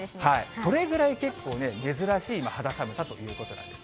それぐらい結構ね、珍しい肌寒さということなんです。